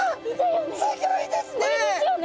すギョいですね！